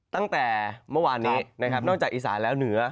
ตั้งแต่เมื่อวานนี้นะครับนอกจากอีสานแล้วเหนือ